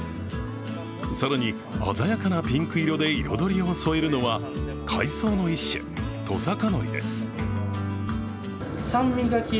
更に、鮮やかなピンク色で彩りを添えるのは海藻の一種・トサカノリです。